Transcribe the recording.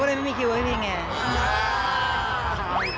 ก็เลยไม่มีคิวให้พี่เนี่ย